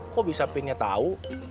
kok bisa pinnya tau